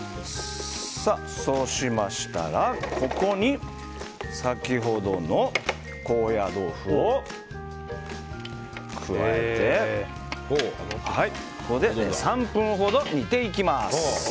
そうしましたらここに先ほどの高野豆腐を加えて３分ほど煮ていきます。